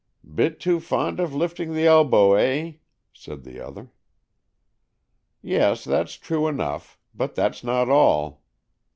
"Bit too fond of lifting the elbow, eh?" said the other. "Yes. That's true enough. But that's not all."